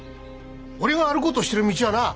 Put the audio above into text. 俺が歩こうとしてる道はなぁ